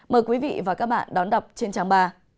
mời quý vị và các bạn đón đọc trên trang ba